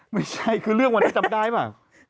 ไม่ใช่คือเรื่องวันนั้นจำได้ป่ะ